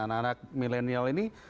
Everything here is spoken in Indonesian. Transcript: anak anak milenial ini